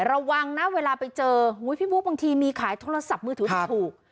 ระวังนะเวลาไปเจอพี่บุ๊คบางทีมีขายโทรศัพท์มือถือถูก